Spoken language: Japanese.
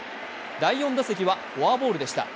第４打席はフォアボールでした。